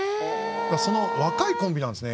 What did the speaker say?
その若いコンビなんですね